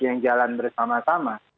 yang jalan bersama sama